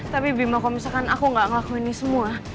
tapi bima kalau misalkan aku gak ngelakuin ini semua